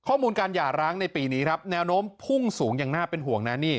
ข้อมูลการหย่าร้างในปีนี้ครับแนวโน้มพุ่งสูงอย่างน่าเป็นห่วงนะนี่